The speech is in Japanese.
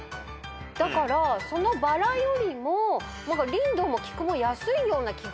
だからそのバラよりもリンドウもキクも安いような気がするんです。